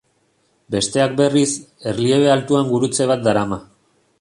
Besteak berriz, erliebe altuan gurutze bat darama.